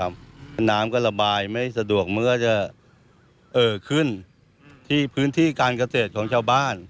มันก็จะเอ่อขึ้นที่พื้นที่การเกษตรของชาวบ้าน